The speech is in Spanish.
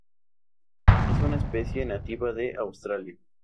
Es una especie nativa de Australia.